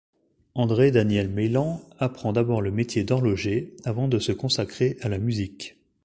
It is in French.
André-Daniel Meylan apprend d'abord le métier d'horloger avant de se consacrer à la musique.